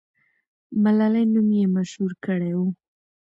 ملالۍ نوم یې مشهور کړی وو.